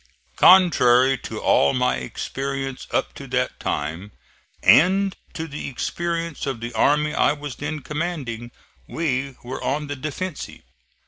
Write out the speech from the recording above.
Contrary to all my experience up to that time, and to the experience of the army I was then commanding, we were on the defensive.